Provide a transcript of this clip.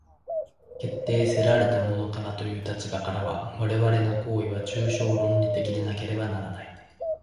決定せられたものからという立場からは、我々の行為は抽象論理的でなければならない。